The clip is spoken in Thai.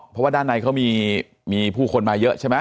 เพราะว่าด้านในเขามีผู้คนมาเยอะใช่ไหม